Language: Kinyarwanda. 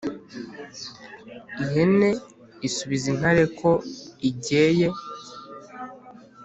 “ihenee isubiza intare ko ijyeye